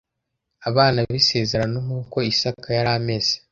abana b isezerano nk uko isaka yari ameze